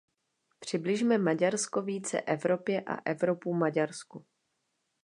Přibližme Maďarsko více Evropě a Evropu Maďarsku.